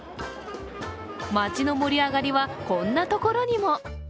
町の盛り上がりはこんなところにも。